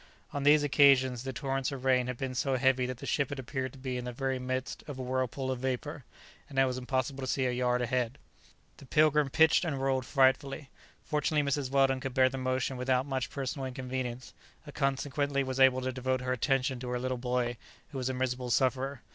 On these occasions the torrents of rain had been so heavy that the ship had appeared to be in the very midst of a whirlpool of vapour, and it was impossible to see a yard ahead. The "Pilgrim" pitched and rolled frightfully. Fortunately Mrs. Weldon could bear the motion without much personal inconvenience, and consequently was able to devote her attention to her little boy, who was a miserable sufferer.